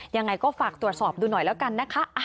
ยังไงก็ฝากตรวจสอบดูหน่อยแล้วกันนะคะ